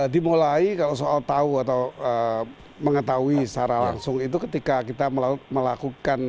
dimulai kalau soal tahu atau mengetahui secara langsung itu ketika kita melakukan